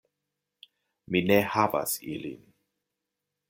Mi ne havas ilin.